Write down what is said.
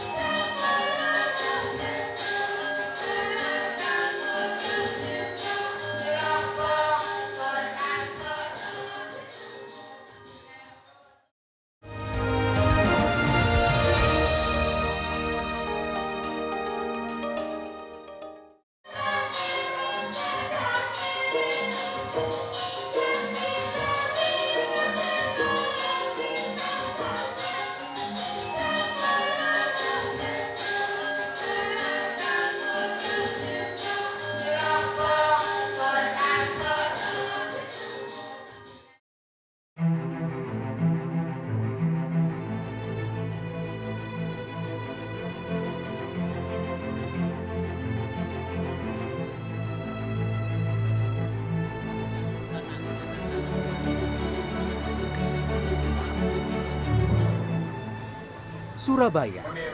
sampai jumpa di video selanjutnya